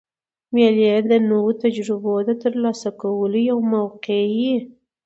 مېلې د نوو تجربو د ترلاسه کولو یوه موقع يي.